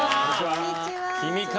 君か！